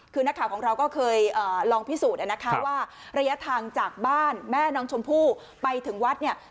คือนักข่าวของเราก็เคยลองพิสูจน์นะคะว่าระยะทางจากบ้านแม่น้องชมพู่ไปถึงวัดเนี่ย